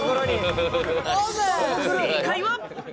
正解は。